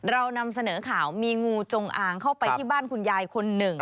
เรานำเสนอข่าวมีงูจงอางเข้าไปที่บ้านคุณยายคนหนึ่ง